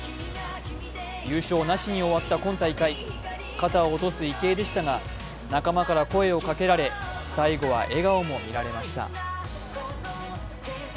優勝なしに終わった今大会肩を落とす池江でしたが仲間から声をかけられ最後は笑顔もみられました。